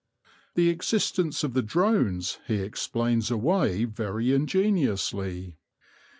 The existence of the drones he explains away very ingeniously.